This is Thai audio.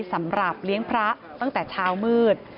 สำหรับเลี้ยงพระตั้งแต่เช้ามืด